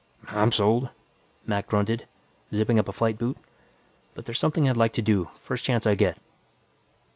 "I'm sold," Mac grunted, zipping up a flight boot. "But there's something I'd like to do, first chance I get."